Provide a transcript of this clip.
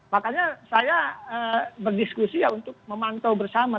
makanya saya berdiskusi ya untuk memantau bersama